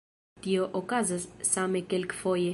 Tio okazas same kelkfoje.